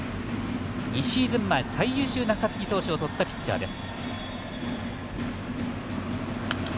２シーズン前最優秀中継ぎ投手を取ったピッチャーです。